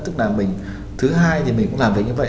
tức là mình thứ hai thì mình cũng làm việc như vậy